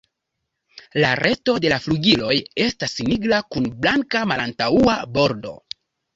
La resto de la flugiloj estas nigra kun blanka malantaŭa bordo.